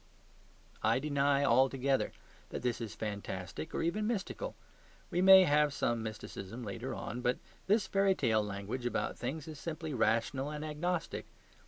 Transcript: I deny altogether that this is fantastic or even mystical. We may have some mysticism later on; but this fairy tale language about things is simply rational and agnostic.